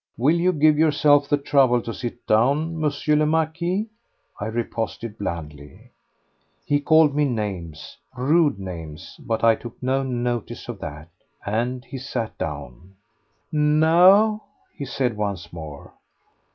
"Will you give yourself the trouble to sit down, M. le Marquis?" I riposted blandly. He called me names—rude names! but I took no notice of that ... and he sat down. "Now!" he said once more.